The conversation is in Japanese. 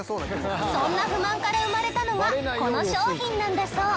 そんな不満から生まれたのがこの商品なんだそう。